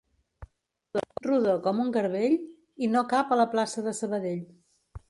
Rodó com un garbell i no cap a la plaça de Sabadell.